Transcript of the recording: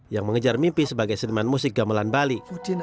yang mengejar mimpi sebagai seniman musik gamelan bali